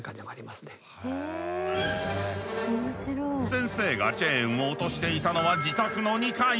先生がチェーンを落としていたのは自宅の２階。